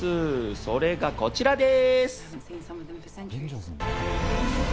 それがこちらです。